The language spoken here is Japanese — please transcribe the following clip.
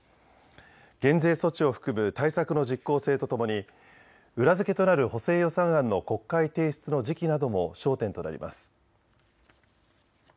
減税措置を含む対策の実効性とともに裏付けとなる補正予算案の国会提出の時期なども焦点となります。